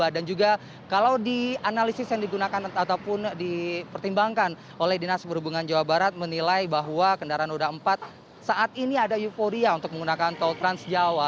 dan juga kalau di analisis yang digunakan ataupun dipertimbangkan oleh dinas berhubungan jawa barat menilai bahwa kendaraan roda empat saat ini ada euforia untuk menggunakan tol trans jawa